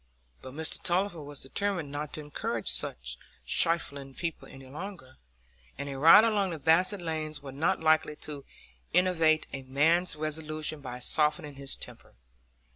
But Mr Tulliver was determined not to encourage such shuffling people any longer; and a ride along the Basset lanes was not likely to enervate a man's resolution by softening his temper.